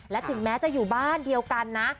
และถึงแม้จะอยู่บ้านเดียวกันนะ